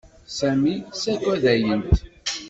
Sami saggadayent.